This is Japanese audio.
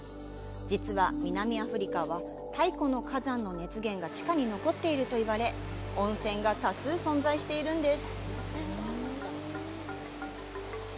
実は、南アフリカは太古の火山の熱源が地下に残っているといわれ温泉が多数存在しているんです。